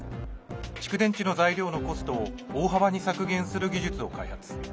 蓄電池の材料のコストを大幅に削減する技術を開発。